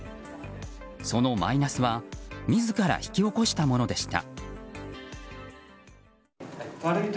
そのマイナスは自ら引き起こしたものでした。